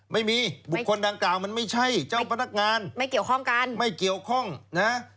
ไม่มีบุคคลดังกล่าวมันไม่ใช่เจ้านักงานไม่เกี่ยวของกัน